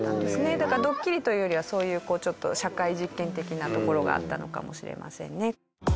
だからドッキリというよりはそういうちょっと社会実験的なところがあったのかもしれませんね。